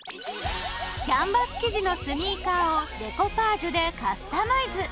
キャンバス生地のスニーカーをデコパージュでカスタマイズ。